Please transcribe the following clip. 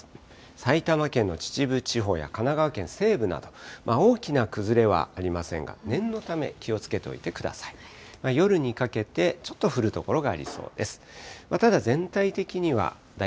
埼玉県の秩父地方や神奈川県西部など、大きな崩れはありませんが、念のため、気をつけておいてください。